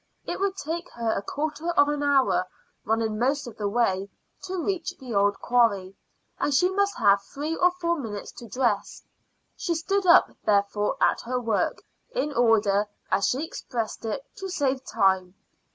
It would take her a quarter of an hour, running most of the way, to reach the old quarry, and she must have three or four minutes to dress. She stood up, therefore, at her work, in order, as she expressed it, to save time.